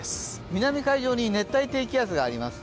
南海上に熱帯低気圧があります。